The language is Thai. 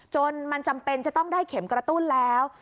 จนมันจำเป็นจะต้องได้เข็มกระตุ้นแล้ว